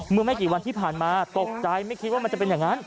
เมื่อไม่กี่วันที่ผ่านมาตกใจไม่คิดว่ามันจะเป็นอย่างนั้น